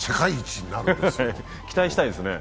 期待したいですね。